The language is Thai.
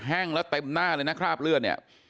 แห้งแล้วเต็มหน้าเลยนะคราบเลือดเนี่ย